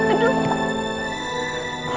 saya tidak suka dibohongi